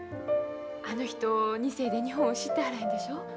あの人二世で日本を知ってはらへんでしょ？